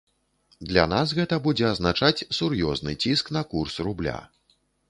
Для нас гэта будзе азначаць сур'ёзны ціск на курс рубля.